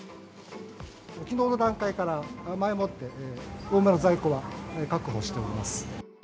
きのうの段階から、前もって多めの在庫は確保しております。